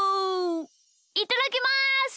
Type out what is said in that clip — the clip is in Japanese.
いただきます！